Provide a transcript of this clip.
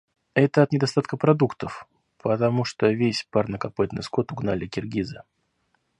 Это от недостатка продуктов, потому что весь парнокопытный скот угнали киргизы.